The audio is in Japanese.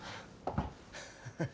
ハッハハ。